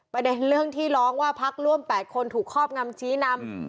ประเด็นเรื่องที่ร้องว่าพักร่วม๘คนถูกครอบงำชี้นำ